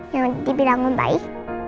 yang dibilang om baik